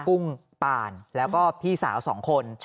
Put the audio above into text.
กุ้งปานแล้วก็พี่สาว๒คน